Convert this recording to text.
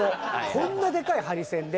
こんなでかいハリセンで。